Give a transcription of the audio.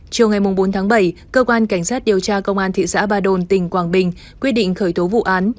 chiều ngày bốn tháng bảy cơ quan cảnh sát điều tra công an thị xã ba đồn tỉnh quảng bình quyết định khởi tố vụ án